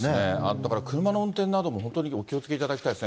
だから車の運転も本当にお気をつけいただきたいですね。